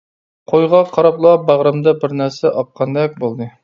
قويغا قاراپلا باغرىمدا بىر نەرسە ئاققاندەك بولدى.